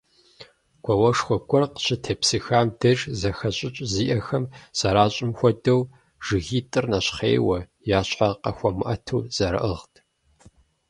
Гуауэшхуэ гуэр къащытепсыхам деж зэхэщӀыкӀ зиӀэхэм зэращӀым хуэдэу, жыгитӀыр нэщхъейуэ, я щхьэр къахуэмыӀэту зэрыӀыгът.